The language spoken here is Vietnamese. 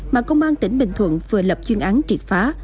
mà công an tỉnh bình thuận vừa lập chuyên án triệt phá